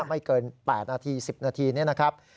ไม่เกิน๘นาที๑๐นาทีนี้นะครับ